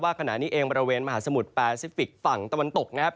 ขณะนี้เองบริเวณมหาสมุทรแปซิฟิกฝั่งตะวันตกนะครับ